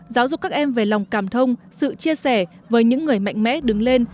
giáo dục các em về lòng cảm thông sự chia sẻ với những người mạnh mẽ đứng lên